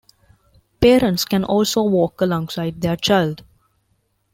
Parents can also walk alongside their child.